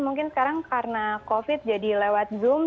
mungkin sekarang karena covid jadi lewat zoom